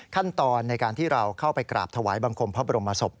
ขั้นตอนในการที่เราเข้าไปกราบถวายบังคมพระบรมศพ